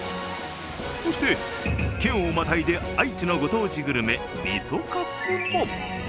そして、県をまたいで愛知のご当地グルメ、みそかつも。